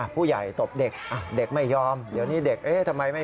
ผู้ใหญ่ตบเด็กเด็กไม่ยอมเดี๋ยวนี้เด็กทำไมไม่มี